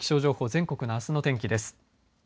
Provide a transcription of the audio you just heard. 全国のあすの天気です。